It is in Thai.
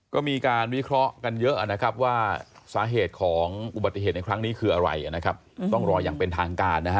ก็มีการวิเคราะห์กันเยอะนะครับว่าสาเหตุของอุบัติเหตุในครั้งนี้คืออะไรนะครับต้องรออย่างเป็นทางการนะฮะ